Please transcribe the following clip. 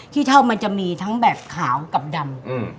เท่ามันจะมีทั้งแบบขาวกับดำ